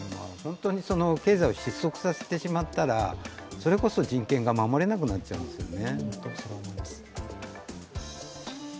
経済を失速させてしまったらそれこそ人権が守れなくなっちゃうんですよね。